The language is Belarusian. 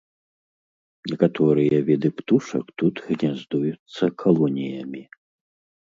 Некаторыя віды птушак тут гняздуюцца калоніямі.